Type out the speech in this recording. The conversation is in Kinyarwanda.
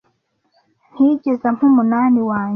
ntiyigeze ampa umunani wanjye